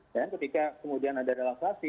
dan ketika kemudian ada relaksasi